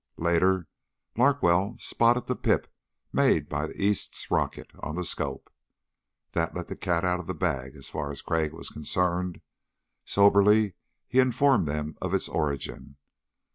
Later Larkwell spotted the pip made by the East's rocket on the scope. That let the cat out of the bag as far as Crag was concerned. Soberly he informed them of its origin.